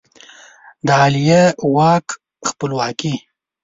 د عالیه واک خپلواکي